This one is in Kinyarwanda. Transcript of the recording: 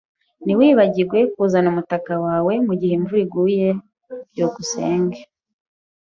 Ntiwibagirwe kuzana umutaka wawe mugihe imvura iguye. byukusenge